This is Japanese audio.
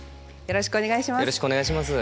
よろしくお願いします。